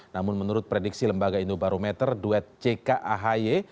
namun menurut prediksi lembaga indobarometer duet jk ahy